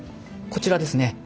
こちらですね。